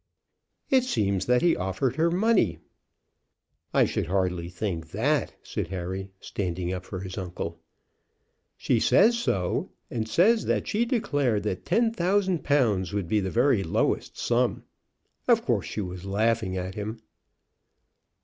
"It seems that he offered her money." "I should hardly think that," said Harry, standing up for his uncle. "She says so; and says that she declared that ten thousand pounds would be the very lowest sum. Of course she was laughing at him."